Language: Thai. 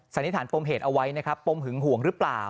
นิษฐานปมเหตุเอาไว้นะครับปมหึงห่วงหรือเปล่า